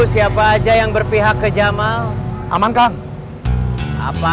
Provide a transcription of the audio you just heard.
kita pergi sanjikan segala web crocodile